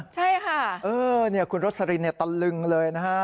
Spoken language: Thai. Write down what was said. ใช่ค่ะคุณรสลินตะลึงเลยนะฮะ